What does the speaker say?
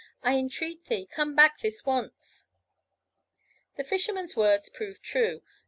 I entreat thee, come back this once." The Fisherman's words proved true.